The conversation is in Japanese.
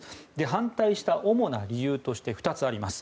反対した主な理由として２つあります。